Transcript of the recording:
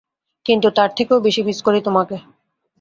কিন্তু, তার থেকেও বেশি মিস করি তোমাকে।